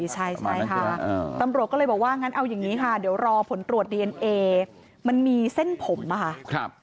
ใช่ค่ะตำรวจก็เลยบอกว่างั้นเอาอย่างนี้ค่ะเดี๋ยวรอผลตรวจดีเอนเอมันมีเส้นผมนะคะ